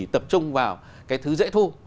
trung vào cái thứ dễ thu